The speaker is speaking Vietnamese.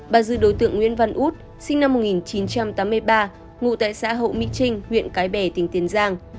bà dư đối tượng nguyễn văn út sinh năm một nghìn chín trăm tám mươi ba ngụ tại xã hậu mỹ trinh huyện cái bè tỉnh tiền giang